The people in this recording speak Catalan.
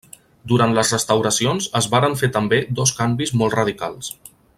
Durant les restauracions es varen fer també dos canvis molt radicals.